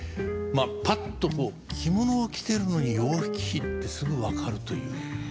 まあパッとこう着物を着てるのに楊貴妃ってすぐ分かるという。